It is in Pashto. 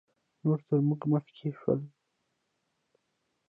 نور تر موږ مخکې شول